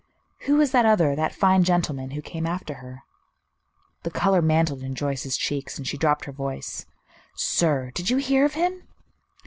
"Who was that other, that fine gentleman, who came after her?" The color mantled in Joyce's cheeks, and she dropped her voice. "Sir! Did you hear of him?"